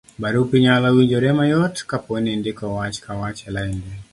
barupi nyalo winjore mayot kapo ni indiko wach ka wach e lainde